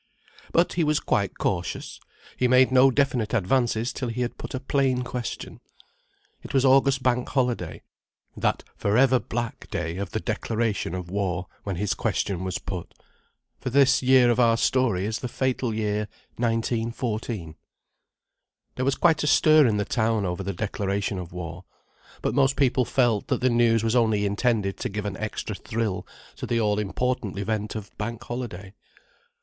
But he was quite cautious. He made no definite advances till he had put a plain question. It was August Bank Holiday, that for ever black day of the declaration of war, when his question was put. For this year of our story is the fatal year 1914. There was quite a stir in the town over the declaration of war. But most people felt that the news was only intended to give an extra thrill to the all important event of Bank Holiday.